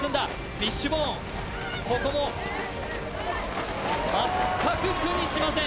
フィッシュボーンここも全く苦にしません。